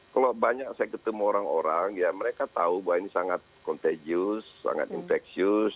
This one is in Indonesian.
kalau banyak saya ketemu orang orang mereka tahu bahwa ini sangat contagious sangat infectious